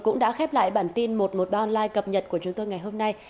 cũng đã khép lại bản tin một trăm một mươi ba online cập nhật của chúng tôi ngày hôm nay